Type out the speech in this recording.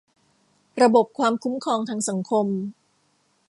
ระบบความคุ้มครองทางสังคม